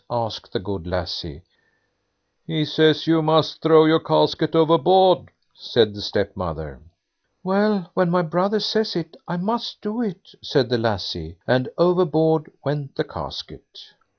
asked the good lassie. "He says you must throw your casket overboard", said the stepmother. "Well, when my brother says it, I must do it", said the lassie, and overboard went the casket.